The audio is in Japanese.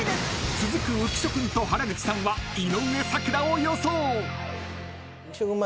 ［続く浮所君と原口さんは井上咲楽を予想］